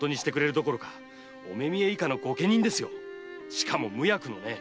しかも無役のね！